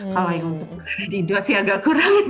kalau yang untuk makanan di indonesia agak kurang